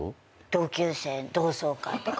同級生同窓会とか。